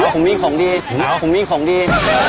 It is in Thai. คุณมาของมีของดี